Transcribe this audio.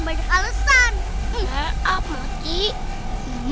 padahal disini ternyata ada alasan